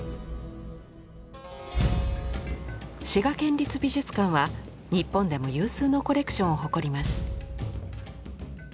滋賀県立美術館は日本でも有数のコレクションを誇ります。